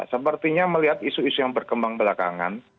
sepertinya melihat isu isu yang berkembang belakangan